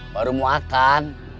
baru mau akan